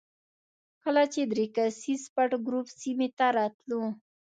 کله چې درې کسیز پټ ګروپ سیمې ته راتلو.